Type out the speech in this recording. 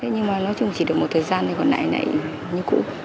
nhưng mà nói chung chỉ được một thời gian thôi còn nãy này như cũ